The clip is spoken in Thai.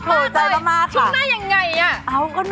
ถูกใจมาก